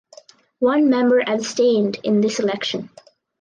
One member abstained in this election.